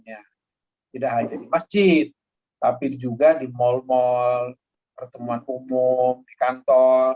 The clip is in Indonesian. ya tidak hanya di masjid tapi juga di mal mal pertemuan umum di kantor